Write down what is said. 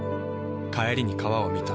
帰りに川を見た。